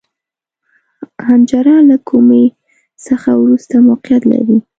حنجره له کومي څخه وروسته موقعیت لري.